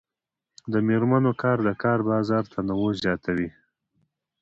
د میرمنو کار د کار بازار تنوع زیاتوي.